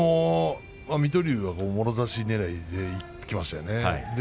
水戸龍はもろ差しねらいでいきましたね。